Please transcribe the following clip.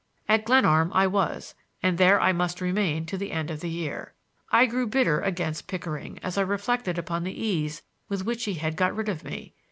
At Glenarm I was, and there I must remain to the end of the year; I grew bitter against Pickering as I reflected upon the ease with which he had got rid of me.